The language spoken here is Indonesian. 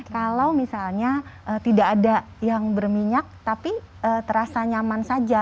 kalau misalnya tidak ada yang berminyak tapi terasa nyaman saja